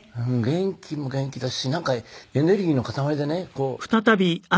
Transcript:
元気も元気だしなんかエネルギーの塊でね。